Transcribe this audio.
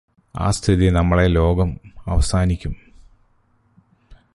ആ സ്ഥിതി നമ്മളെ ലോകം അവസാനിക്കും